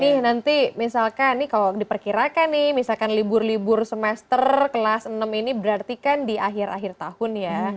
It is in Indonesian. nih nanti misalkan nih kalau diperkirakan nih misalkan libur libur semester kelas enam ini berarti kan di akhir akhir tahun ya